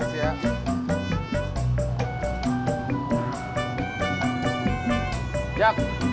terima kasih ya